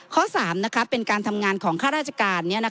ข้อ๓เป็นการทำงานของข้าราชการ